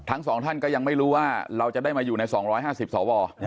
ทั้งสองท่านก็ยังไม่รู้ว่าเราจะได้มาอยู่ใน๒๕๐สว